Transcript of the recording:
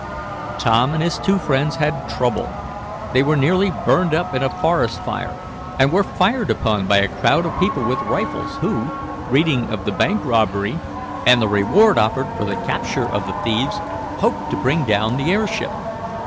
Tom and his two friends had trouble. They were nearly burned up in a forest fire, and were fired upon by a crowd of people with rifles, who, reading of the bank robbery and the reward offered for the capture of the thieves, hoped to bring down the airship.